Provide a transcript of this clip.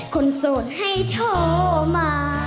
โสดให้โทรมา